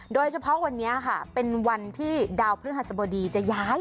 โดยเฉพาะวันนี้ค่ะเป็นวันที่ดาวพฤหัสบดีจะย้าย